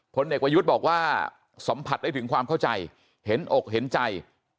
เด็กประยุทธ์บอกว่าสัมผัสได้ถึงความเข้าใจเห็นอกเห็นใจ